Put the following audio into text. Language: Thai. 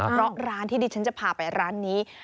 เพราะร้านที่ดิฉันจะพาไปร้านนี้